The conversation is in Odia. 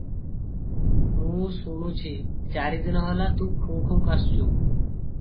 ମୁଁ ଶୁଣୁଛି, ଚାରିଦିନ ହେଲା ତୁ ଖୁଁ ଖୁଁ କାଶୁଛୁ ।